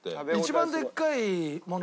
一番でっかいもの？